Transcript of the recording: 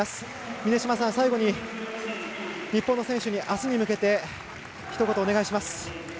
峰島さん、最後に日本の選手にあすに向けてひと言お願いします。